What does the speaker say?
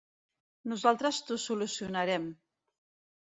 Nosaltres t'ho solucionarem.